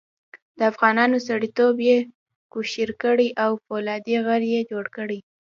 د افغانانو سړیتوب یې کوشیر کړی او فولادي غر یې جوړ کړی.